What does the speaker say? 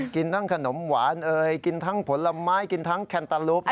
กินทั้งขนมหวานเอ่ยกินทั้งผลไม้กินทั้งแคนตาลูป